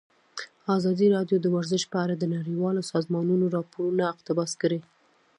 ازادي راډیو د ورزش په اړه د نړیوالو سازمانونو راپورونه اقتباس کړي.